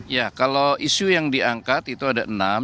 ya kalau isu yang diangkat itu ada enam